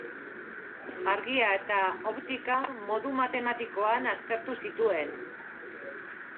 Argia eta optika modu matematikoan aztertu zituen.